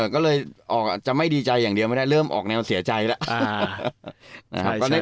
ก็เลยออกอาจจะไม่ดีใจอย่างเดียวไม่ได้เริ่มออกแนวเสียใจแล้ว